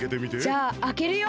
じゃああけるよ。